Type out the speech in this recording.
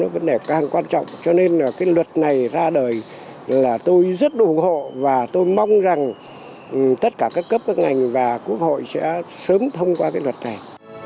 vấn đề càng quan trọng cho nên là cái luật này ra đời là tôi rất ủng hộ và tôi mong rằng tất cả các cấp các ngành và quốc hội sẽ sớm thông qua cái luật này